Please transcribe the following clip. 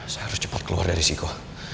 saya harus cepat keluar dari siko